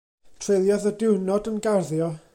Treuliodd y diwrnod yn garddio.